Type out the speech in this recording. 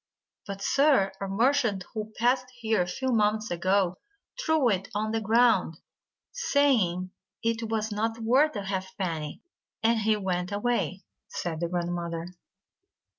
"But, sir, a merchant who passed here a few mo ments ago, threw it on the ground, saying it was not worth a halfpenny, and he went away," said the grandmother.